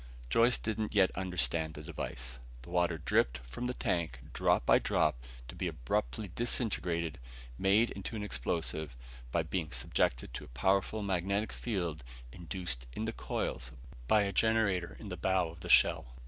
Joyce didn't yet understand the device. The water dripped from the tank, drop by drop, to be abruptly disintegrated, made into an explosive, by being subjected to a powerful magnetic field induced in the coils by a generator in the bow of the shell.